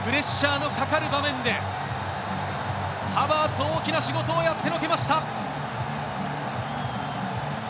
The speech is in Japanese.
プレッシャーのかかる場面でハバーツ、大きな仕事をやってのけました！